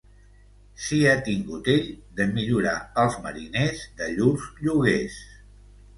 Sia tingut ell de millorar els mariners de llurs lloguers.